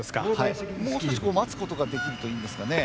もう少し待つことができるといいんですがね。